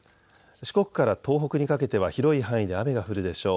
四国から東北にかけては広い範囲で雨が降るでしょう。